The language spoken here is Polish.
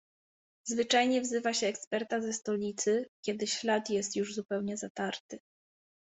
"Zwyczajnie wzywa się eksperta ze stolicy, kiedy ślad jest już zupełnie zatarty."